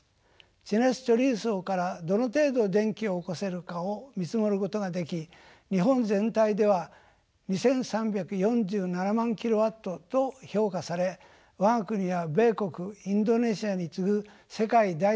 地熱貯留層からどの程度電気を起こせるかを見積もることができ日本全体では２，３４７万キロワットと評価され我が国は米国インドネシアに次ぐ世界第３位の地熱資源大国です。